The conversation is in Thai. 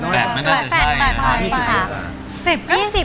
แปบใช่